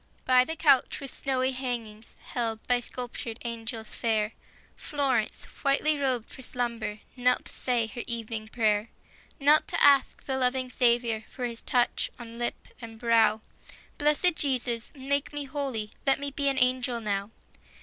]Y the couch with snowy hangings, Held by sculptured angels fair, Florence, whitely robed for slumber, Knelt to say her evening prayer ; Knelt to ask the loving Saviour For His touch on lip and brow :" Blessed Jesus, make me holy ; Let me be an angel now."